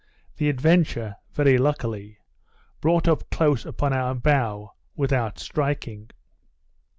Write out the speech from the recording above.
The Adventure, very luckily, brought up close upon our bow without striking.